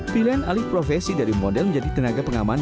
pilihan alih profesi dari model menjadi tenaga pengaman